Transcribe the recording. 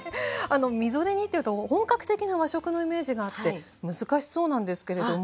みぞれ煮というと本格的な和食のイメージがあって難しそうなんですけれども。